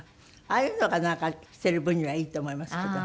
ああいうのが着てる分にはいいと思いますけど。